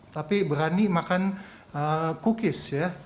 tapi berani makan cookies ya